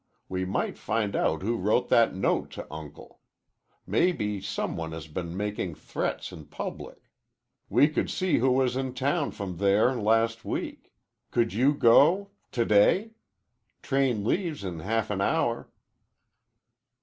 We might find out who wrote that note to Uncle. Maybe some one has been making threats in public. We could see who was in town from there last week. Could you go? To day? Train leaves in half an hour."